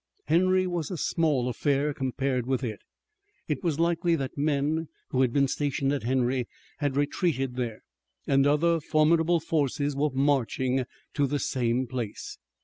Henry was a small affair compared with it. It was likely that men who had been stationed at Henry had retreated there, and other formidable forces were marching to the same place.